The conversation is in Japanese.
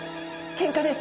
けんかです。